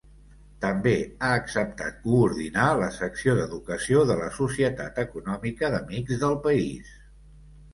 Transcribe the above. També ha acceptat coordinar la secció d'educació de la Societat Econòmica d'Amics del País.